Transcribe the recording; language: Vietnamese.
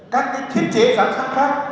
các cái thiết chế giám sát khác